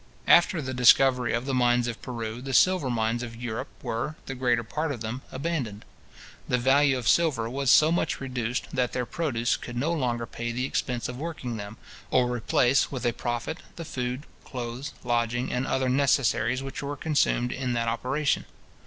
After the discovery of the mines of Peru, the silver mines of Europe were, the greater part of them, abandoned. The value of silver was so much reduced, that their produce could no longer pay the expense of working them, or replace, with a profit, the food, clothes, lodging, and other necessaries which were consumed in that operation.